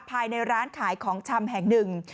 ภายในร้านขายของชำแห่งหนึ่ง